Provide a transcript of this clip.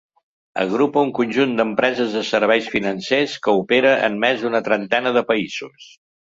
Agrupa un conjunt d'empreses de serveis financers que opera en més d'una trentena de països.